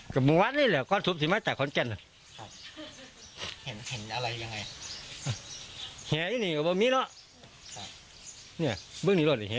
อ๋อเห็นทรงมานั่งดีเห็นแหหแหะและเห็นเขายืนอยู่ไหมฮะ